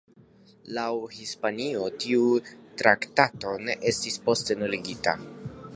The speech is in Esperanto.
Laŭ Hispanio tiu traktato ne estis poste nuligita.